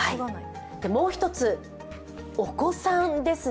もう一つ、お子さんですね。